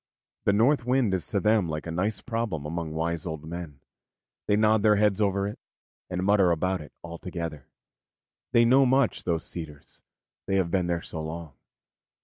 The North Wind is to them like a nice problem among wise old men; they nod their heads over it, and mutter about it all together. They know much, those cedars, they have been there so long.